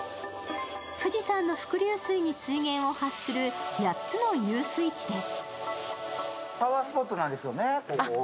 富士山の伏流水に水源を発する８つの湧水地です。